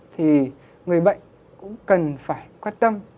thì người bệnh cũng cần phải quan tâm